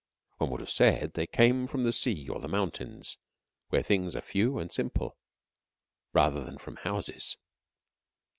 One would have said they came from the sea or the mountains, where things are few and simple, rather than from houses.